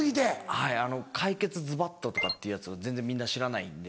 はい『怪傑ズバット』とかっていうやつを全然みんな知らないんで。